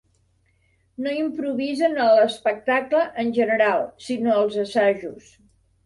No improvisen a l'espectacle, en general, sinó als assajos.